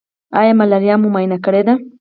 ایا ملاریا مو معاینه کړې ده؟